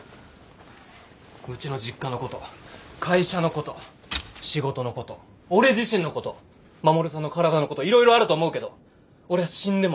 うちの実家のこと会社のこと仕事のこと俺自身のこと衛さんの体のこと色々あると思うけど俺は死んでも別れない。